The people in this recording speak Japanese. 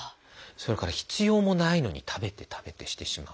それから必要もないのに食べて食べてしてしまうとか。